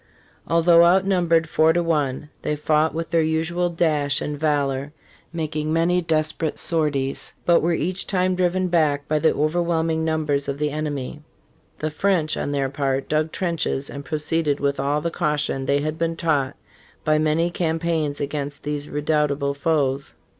Although outnumbered four to one, they fought with their usual dash and valor, making many desperate sorties, but were each time driven back by the overwhelming numbers of the enemy. The French, on their part, dug trenches and proceeded with all the caution they had been taught by many campaigns against these redoubtable foes.